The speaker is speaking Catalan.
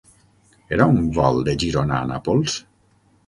Era un vol de Girona a Nàpols?